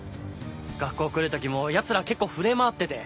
学校来る時もヤツら結構触れ回ってて。